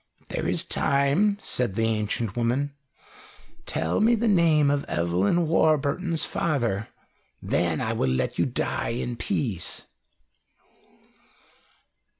"There is time," said the ancient woman. "Tell me the name of Evelyn Warburton's father. Then I will let you die in peace."